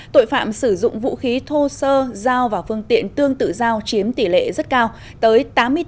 tội phạm sử dụng vũ khí thô sơ dao và phương tiện tương tự dao chiếm tỷ lệ rất cao tới tám mươi bốn